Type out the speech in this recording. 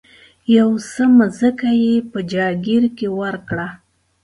یو څه مځکه یې په جاګیر کې ورکړه.